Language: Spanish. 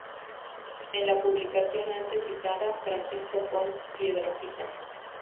En la publicación antes citada "Francisco Ponz Piedrafita.